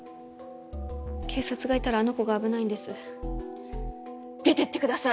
警察がいたらあの子が危ないんです出てってください